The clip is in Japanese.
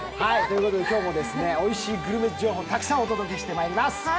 今日もおいしいグルメ情報たくさんお届けしてまいります。